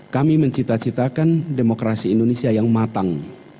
kami mencita citakan demokrasi indonesia yang matang